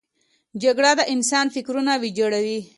جګړه د انسان فکرونه ویجاړوي